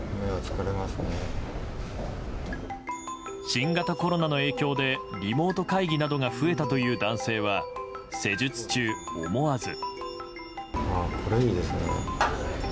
新型コロナの影響でリモート会議などが増えたという男性は施術中、思わず。